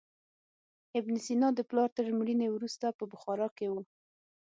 ابن سینا د پلار تر مړینې وروسته په بخارا کې و.